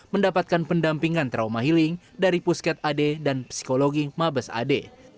mendapatkan pendampingan trauma healing dari pusket ad dan psikologi mabes ad